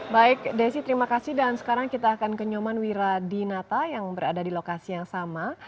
baik desi terima kasih dan sekarang kita akan ke nyoman wiradinata yang berada di lokasi yang sama